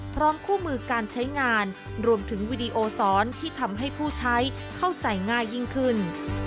พร้อมคู่มือการใช้งานรวมถึงวิดีโอสอนที่ทำให้ผู้ใช้เข้าใจง่ายยิ่งขึ้น